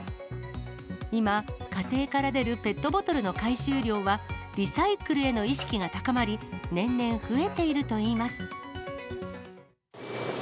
今、家庭から出るペットボトルの回収量は、リサイクルへの意識が高まり、年々増えているといいます。